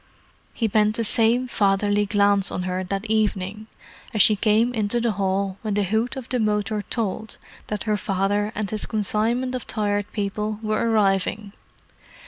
He bent the same fatherly glance on her that evening as she came into the hall when the hoot of the motor told that her father and his consignment of Tired People were arriving.